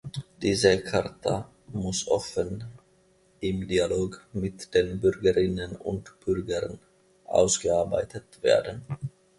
Diese Charta muss offen im Dialog mit den Bürgerinnen und Bürgern ausgearbeitet werden.